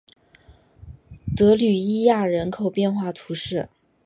德吕伊亚人口变化图示